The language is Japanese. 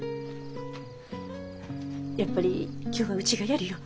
やっぱり今日はうちがやるよ。